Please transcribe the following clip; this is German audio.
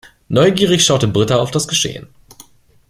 Neugierig schaute Britta auf das Geschehen.